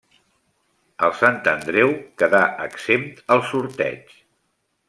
El Sant Andreu queda exempt al sorteig.